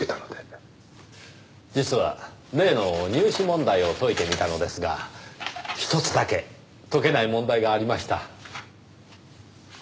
実は例の入試問題を解いてみたのですがひとつだけ解けない問題がありました。